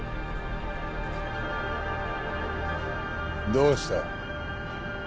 どうした？